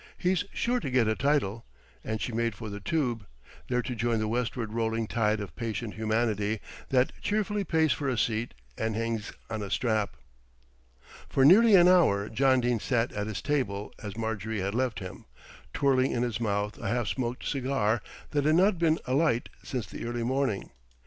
He's sure to get a title;" and she made for the Tube, there to join the westward rolling tide of patient humanity that cheerfully pays for a seat and hangs on a strap. For nearly an hour John Dene sat at his table as Marjorie had left him, twirling in his mouth a half smoked cigar that had not been alight since the early morning.